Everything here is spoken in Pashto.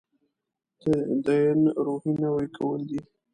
تدین روحیې نوي کول دی.